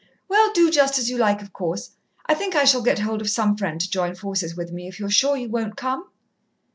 "Well, do just as you like, of course. I think I shall get hold of some friend to join forces with me, if you're sure you won't come...."